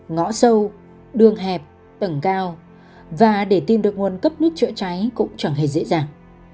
ngõ sâu đường hẹp tầng cao và để tìm được nguồn cấp nước chữa cháy cũng chẳng hề dễ dàng